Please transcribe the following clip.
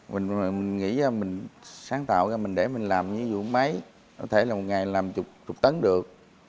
mình nghĩ ra sáng tạo ra để mình làm với vụ máy có thể là một ngày làm chục tấn được